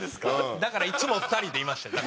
だからいつも２人でいました。